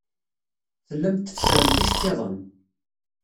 Tellamt tfessremt iceḍḍiḍen.